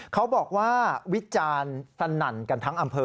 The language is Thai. เขาบอกว่าวิจารณ์สนั่นกันทั้งอำเภอ